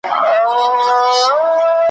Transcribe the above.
رواني او پای یې هیچا ته څرګند نه دی ,